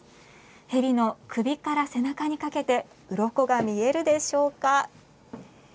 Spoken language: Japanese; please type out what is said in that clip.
ヘビの首から背中にかけてうろこが見えるでしょうか。